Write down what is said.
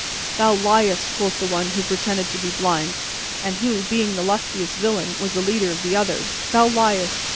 "Thou liest!" quoth the one who pretended to be blind and who, being the lustiest villain, was the leader of the others, "thou liest!